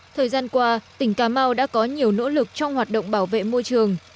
thời gian qua tỉnh cà mau đã có nhiều nỗ lực trong hoạt động bảo vệ môi trường